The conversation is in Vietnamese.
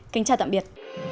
kính chào tạm biệt